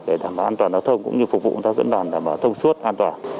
để đảm bảo an toàn giao thông cũng như phục vụ dẫn đoàn đảm bảo thông suốt an toàn